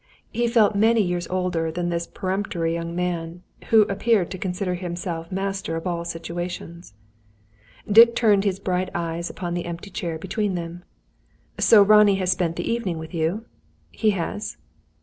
He felt many years older than this peremptory young man, who appeared to consider himself master of all situations. Dick turned his bright eyes on to the empty chair between them. "So Ronnie has spent the evening with you?" "He has."